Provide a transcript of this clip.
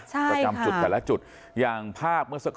ประจำจุดแต่ละจุดอย่างภาพเมื่อสักครู่